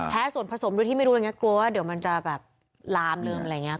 แพ้ส่วนผสมโดยที่ไม่รู้แล้วไงกลัวว่าเดี๋ยวมันจะแบบลามนึงอะไรอย่างเงี้ย